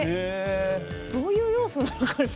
どういう要素なのか？